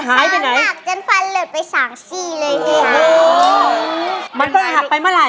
ฉากจั้นฟันเริศไปสางสี่เลยเนี่ย